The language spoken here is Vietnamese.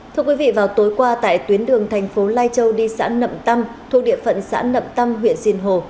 thưa quý vị vào tối qua tại tuyến đường thành phố lai châu đi xã nậm tâm thuộc địa phận xã nậm tâm huyện sìn hồ